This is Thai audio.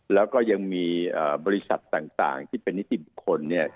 แล้วก็ยังมีบริษัทต่างที่เป็นนิติบุคคลเนี่ย